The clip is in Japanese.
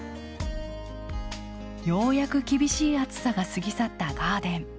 ようやく厳しい暑さが過ぎ去ったガーデン。